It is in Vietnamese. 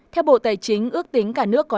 theo bộ tài chính ước tính cả nước có năm mươi